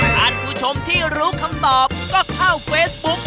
ท่านผู้ชมที่รู้คำตอบก็เข้าเฟซบุ๊ก